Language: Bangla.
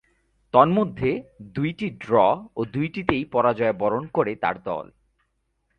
তন্মধ্যে দুইটি ড্র ও দুইটিতে পরাজয়বরণ করে তার দল।